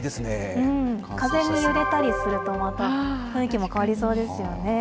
風に揺れたりすると、また、雰囲気も変わりそうですよね。